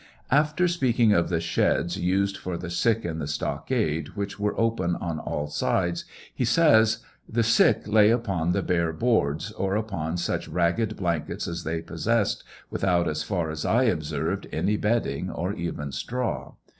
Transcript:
After speaking of the sheds used for the sick in the stockade, which wer open on all sides, he says : The sick lay upon the bare boards, or upon such ragged blankets as they possessed without, as far as I observed, any bedding or even straw.